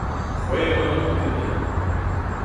c'hwec'h eur goude merenn.